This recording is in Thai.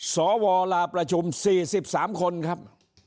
สวลาประชุม๔๓คนครับ